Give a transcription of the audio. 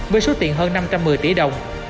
với số tiền hơn năm trăm một mươi tỷ đồng